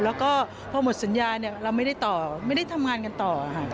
แล้วก็พอหมดสัญญาเราไม่ได้ทำงานกันต่อค่ะ